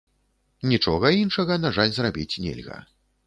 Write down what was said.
Нічога іншага, на жаль, зрабіць нельга.